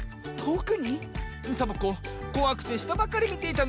サボ子こわくてしたばかりみていたの。